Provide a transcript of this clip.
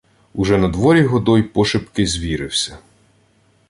Уже надворі Годой пошепки звірився: